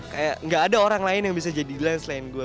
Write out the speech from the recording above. kayak gak ada orang lain yang bisa jadi line selain gue